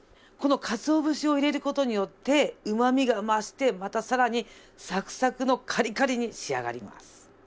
このかつお節を入れる事によってうまみが増してまたさらにサクサクのカリカリに仕上がります。